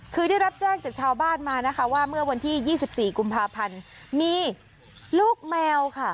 คือได้รับแจ้งจากชาวบ้านมานะคะว่าเมื่อวันที่๒๔กุมภาพันธ์มีลูกแมวค่ะ